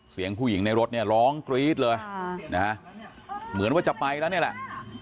เสียงผู้หญิงในรถเนี่ยร้องกรี๊ดเลยเหมือนว่าจะไปแล้วนี่แหละ